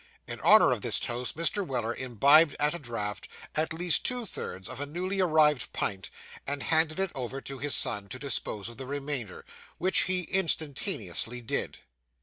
In honour of this toast Mr. Weller imbibed at a draught, at least two thirds of a newly arrived pint, and handed it over to his son, to dispose of the remainder, which he instantaneously did.